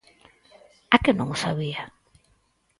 ¿A que non o sabía?